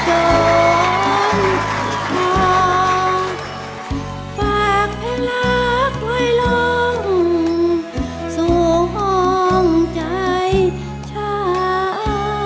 บอกฝากเพื่อแลกไว้รองสวงจ่ายไชน์